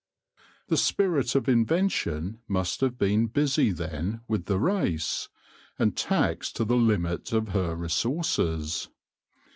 The spirit of invention must have been busy then with the race, and taxed to the limit of her resources.